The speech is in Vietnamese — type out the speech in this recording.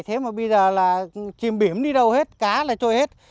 thế mà bây giờ là chìm biểm đi đâu hết cá lại trôi hết